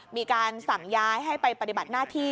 มีการสั่งย้ายให้ไปปฏิบัติหน้าที่